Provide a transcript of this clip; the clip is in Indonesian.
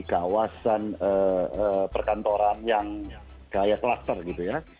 kawasan perkantoran yang kayak klaster gitu ya